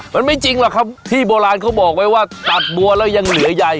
มันไม่จริงหรอกครับที่โบราณเขาบอกไว้ว่าตัดบัวแล้วยังเหลือใหญ่